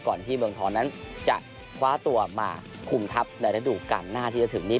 ที่เมืองทองนั้นจะคว้าตัวมาคุมทัพในระดูการหน้าที่จะถึงนี้